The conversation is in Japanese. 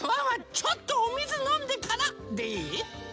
ちょっとおみずのんでからでいい？